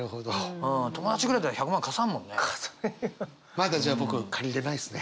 まだじゃあ僕借りれないですね。